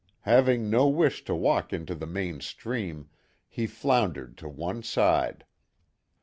Having no wish to walk into the main stream, he floundered to one side.